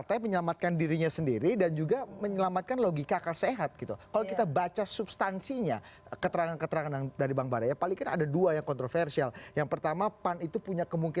tetap bersama kami